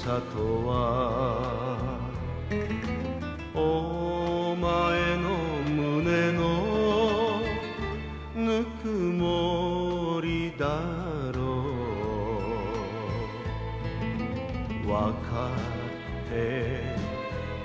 「お前の胸のぬくもりだろう」「分かっているけど」